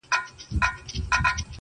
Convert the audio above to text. جهاني نن مي له زاهده نوې واورېدله!